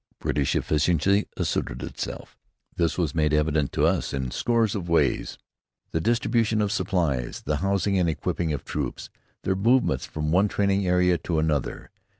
British efficiency asserted itself. This was made evident to us in scores of ways the distribution of supplies, the housing and equipping of troops, their movements from one training area to another.